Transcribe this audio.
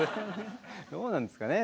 どうなんですかね？